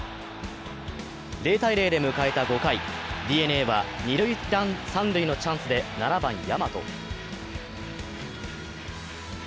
０−０で迎えた５回、ＤｅＮＡは二塁三塁のチャンスで７番・大和。